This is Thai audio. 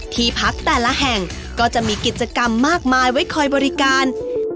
ที่พักแต่ละแห่งก็จะมีกิจกรรมมากมายไว้คอยบริการ